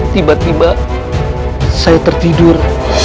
tiba tiba saya tertidur